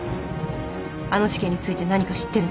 あの事件について何か知ってるの？